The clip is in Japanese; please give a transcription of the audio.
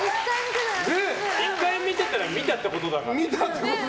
１回見てたら見たってことだから。